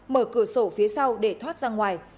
mở cửa sổ phía sau để thoát ra ngoài